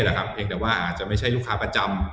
เพียงแต่ว่าอาจจะไม่ใช่ลูกค้าประจำ